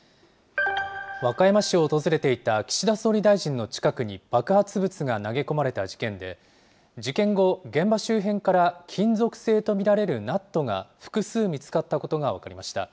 和歌山市を訪れていた岸田総理大臣の近くに爆発物が投げ込まれた事件で、事件後、現場周辺から金属製と見られるナットが、複数見つかったことが分かりました。